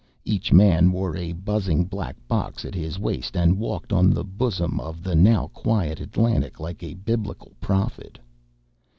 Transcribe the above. Each man wore a buzzing black box at his waist and walked on the bosom of the now quiet Atlantic like a biblical prophet.